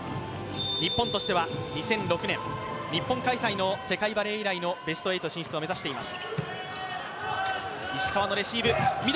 日本としては２００６年日本開催の世界バレー以来のベスト８進出を目指しています。